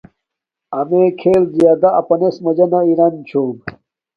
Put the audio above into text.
امݺ کھݵل زݵݳدہ اَپَنݵس مَجَنݳ رَم چھݸمَکݳ.